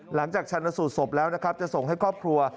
หลังจากชันสุดศพแล้วนะครับจะส่งให้ครอบครัว